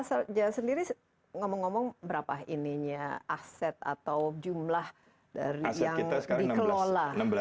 mas jaya sendiri ngomong ngomong berapa ininya aset atau jumlah dari yang dikelola